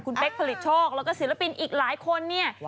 คุณเป๊กผลิตโชคแล้วก็ศิลปินอีกหลายคนเนี่ย